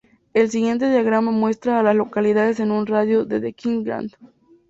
El siguiente diagrama muestra a las localidades en un radio de de Kings Grant.